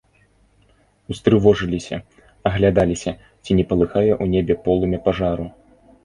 Устрывожыліся, аглядаліся, ці не палыхае ў небе полымя пажару.